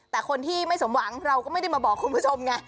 แต่คนที่ไม่สมหวังเราก็ไม่ได้มาบอกคุณผู้ชมไง